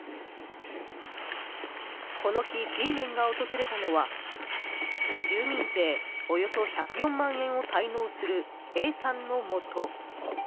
この日、Ｇメンが訪れたのは住民税およそ１０４万円を滞納するＡさんのもと。